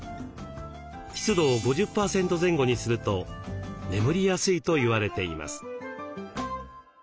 湿度を５０％前後にすると眠りやすいと言われています。